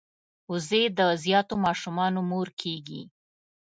وزې د زیاتو ماشومانو مور کیږي